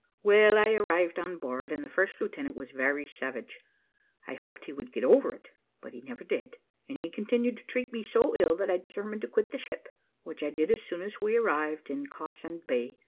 Well, I arrived on board, and the first lieutenant was very savage. I hoped he would get over it, but he never did; and he continued to treat me so ill, that I determined to quit the ship, which I did as soon as we arrived in Cawsand Bay.